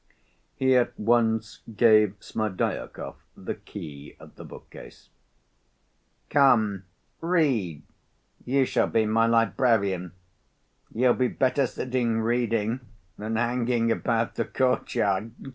He at once gave Smerdyakov the key of the bookcase. "Come, read. You shall be my librarian. You'll be better sitting reading than hanging about the courtyard.